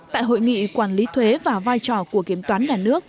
tại hội nghị quản lý thuế và vai trò của kiểm toán